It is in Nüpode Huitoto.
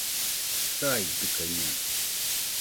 saitɨkaɨñaɨ